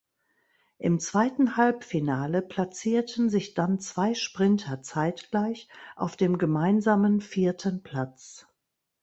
Im zweiten Halbfinale platzierten sich dann zwei Sprinter zeitgleich auf dem gemeinsamen vierten Platz.